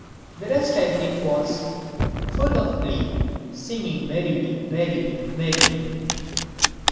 The rest I think was: _... full of glee, singing merrily, merrily, merrily!